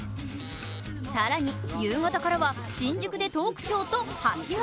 更に夕方からは新宿でトークショーとはしご。